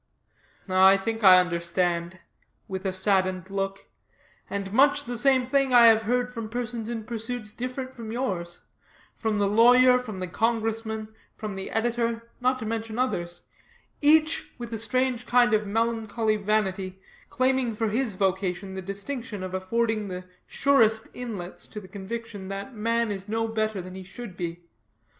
"I think I understand," with a saddened look; "and much the same thing I have heard from persons in pursuits different from yours from the lawyer, from the congressman, from the editor, not to mention others, each, with a strange kind of melancholy vanity, claiming for his vocation the distinction of affording the surest inlets to the conviction that man is no better than he should be.